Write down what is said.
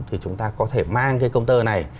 thì chúng ta có thể mang cái công tơ này